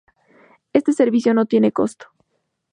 Este servicio no tiene costo.